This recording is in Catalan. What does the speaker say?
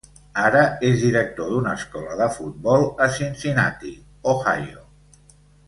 Ara és director d'una escola de futbol a Cincinnati, Ohio.